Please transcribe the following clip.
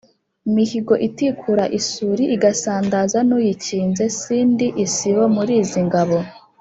mihigo itikura isuli igasandaza n'uyikinze, si ndi isibo muli izi ngabo